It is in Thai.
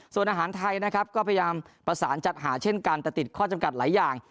ส่วนอาหารไทยนะครับก็พยายามประสานจัดหาเช่นกันแต่ติดข้อจำกัดหลายอย่าง